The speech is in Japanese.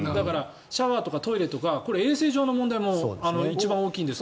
シャワーとかトイレとか衛生上の問題が一番大きいですが。